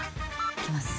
行きます。